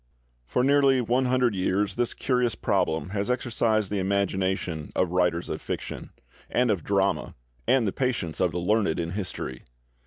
xxx]2759]) For nearly one hundred years this curious problem has exercised the imagination of writers of fiction—and of drama, and the patience of the learned in history.